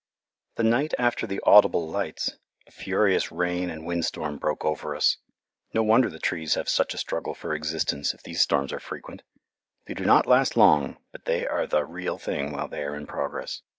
The night after the audible lights a furious rain and wind storm broke over us. No wonder the trees have such a struggle for existence, if these storms are frequent. They do not last long, but they are the real thing while they are in progress.